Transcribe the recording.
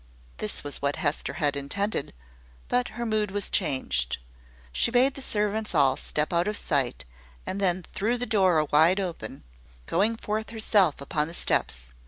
This was what Hester had intended; but her mood was changed. She bade the servants all step out of sight, and then threw the door wide open, going forth herself upon the steps.